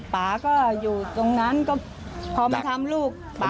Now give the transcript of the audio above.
ป่าก็อยู่ตรงนั้นก็พอมาทำลูกป่า